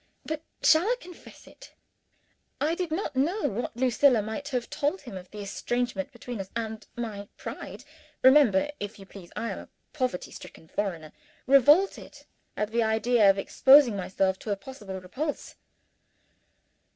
But shall I confess it? I did not know what Lucilla might have told him of the estrangement between us, and my pride (remember, if you please, that I am a poverty stricken foreigner) revolted at the idea of exposing myself to a possible repulse.